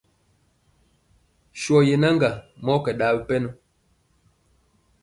Sɔ yenaŋga mɔ kɛ ɗa wi pɛnɔ.